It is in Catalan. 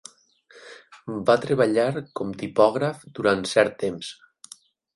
Va treballar com tipògraf durant cert temps.